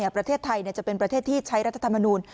ประเทศไทยจะเป็นประเทศที่ใช้รัฐธรรมนูล